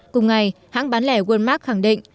cùng ngày hãng bán lẻ walmart khẳng định